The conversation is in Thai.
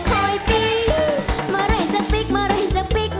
ขอยปี้มาเลยเห็นจังปิ๊กมาเลยเห็นจังปิ๊ก